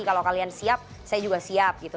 kalau kalian siap saya juga siap gitu